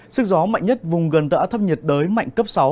sức gió mạnh nhất vùng gần tâm áp thấp nhiệt đới mạnh cấp sáu